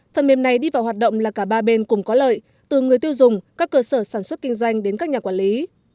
phần mềm này đi vào hoạt động là cả ba bên cùng có lợi từ người tiêu dùng các cơ sở sản xuất kinh doanh đến các nhà quản lý